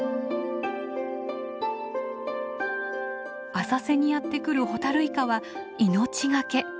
浅瀬にやって来るホタルイカは命懸け。